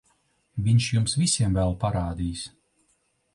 Viņš jums visiem vēl parādīs...